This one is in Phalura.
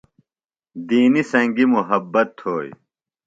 دینیۡ سنگیۡ محبت تھوئی